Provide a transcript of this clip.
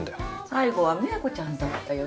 最後は美和子ちゃんだったよね。